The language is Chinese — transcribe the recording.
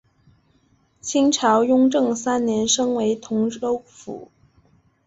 清朝雍正三年升为同州府。